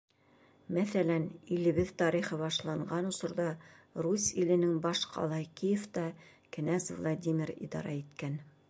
Мәҫәлән, илебеҙ тарихы башланған осорҙа Русь иленең баш ҡалаһы Киевта кенәз Владимир идара иткән.